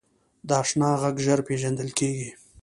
د اشنا غږ ژر پیژندل کېږي